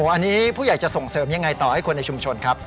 อันนี้ผู้ใหญ่จะส่งเสริมยังไงต่อให้คนในชุมชนครับ